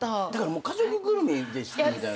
もう家族ぐるみですみたいな。